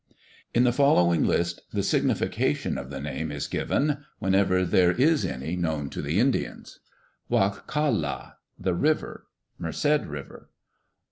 "In the following list, the signification of the name is given whenever there is any known to the Indians: "Wa kal' la (the river), Merced River.